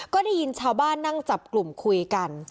ก็ได้ยินชาวบ้านนั่งจับกลุ่มคุยกัน